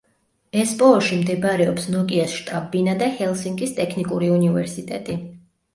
ესპოოში მდებარეობს ნოკიას შტაბ-ბინა და ჰელსინკის ტექნიკური უნივერსიტეტი.